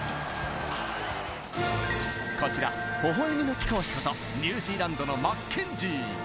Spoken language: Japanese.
こちら、ほほえみの貴公子こと、ニュージーランドのマッケンジー。